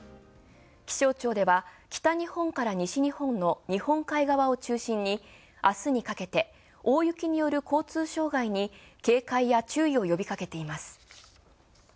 気象庁では北日本から西日本の日本海側を中心に明日にかけて大雪による交通障害に警戒や注意を呼びかけています。